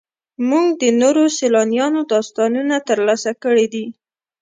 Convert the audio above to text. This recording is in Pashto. موږ د نورو سیلانیانو داستانونه ترلاسه کړي دي.